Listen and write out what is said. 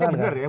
ya benar ya